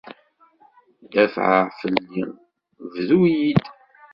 Dafeɛ fell-i, fdu-yi-d.